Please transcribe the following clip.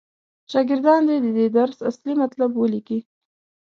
شاګردان دې د دې درس اصلي مطلب ولیکي.